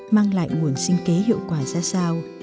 mang lại nguồn sinh kế hiệu quả ra sao